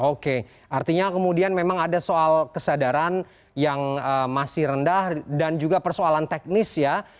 oke artinya kemudian memang ada soal kesadaran yang masih rendah dan juga persoalan teknis ya